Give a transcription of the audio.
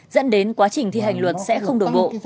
dẫn đến quá trình thi hành luật sẽ không đổ bộ